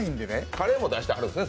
カレーも出してはるんですね。